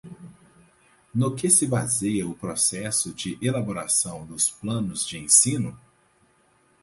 No que se baseia o processo de elaboração dos planos de ensino?